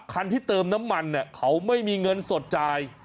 คันที่เติมน้ำมันเนี่ยเขาไม่มีเงินสดจ่าย